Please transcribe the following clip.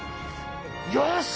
よし！